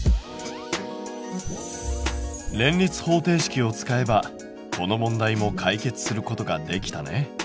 連立方程式を使えばこの問題も解決することができたね。